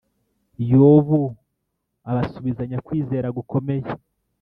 yobu abasubizanya kwizera gukomeye